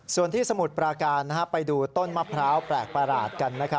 ส่วนที่สมุดประการนะฮะไปดูต้นมะพร้าวแปลกประหลาดกันนะครับ